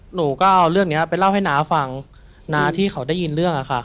หนูก็เอาเรื่องนี้ไปเล่าให้น้าฟังน้าที่เขาได้ยินเรื่องอะค่ะ